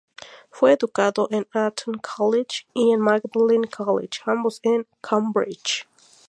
Fue educado en Eton College y en Magdalene College, ambos en Cambridge.